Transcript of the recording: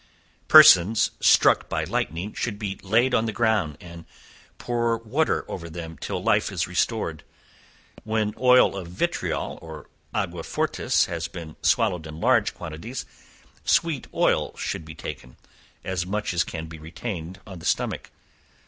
Persons struck by lightning should be laid on the ground, and pour water over them till life is restored. When "oil of vitriol" or "aqua fortis" have been swallowed in large quantities, sweet oil should he taken, (as much as can be retained on the stomach.)